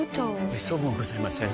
めっそうもございません。